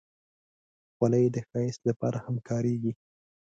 خولۍ د ښایست لپاره هم کارېږي.